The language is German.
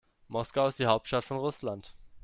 Moskau ist die Hauptstadt von Russland.